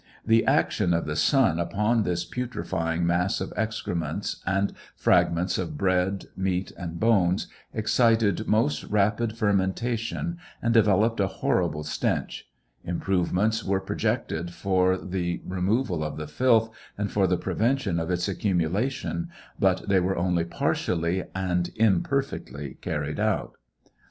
The action of the sun upon this putrefying mass of excrements, and fragments of bread, meat and bones, excited most rapid fermentation, and developed a horrible stench ; improvements were projected for the removal of the filth and for the prevention of its accumvrlation, but they were only partially and imperfectly carried out.